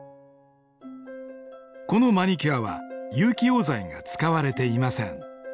このマニキュアは有機溶剤が使われていません。